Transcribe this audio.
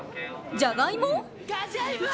じゃがいも？